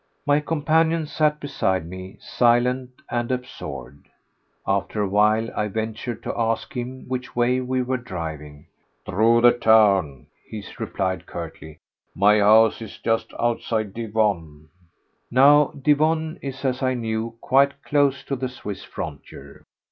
My companion sat beside me, silent and absorbed. After a while I ventured to ask him which way we were driving. "Through the town," he replied curtly. "My house is just outside Divonne." Now, Divonne is, as I knew, quite close to the Swiss frontier.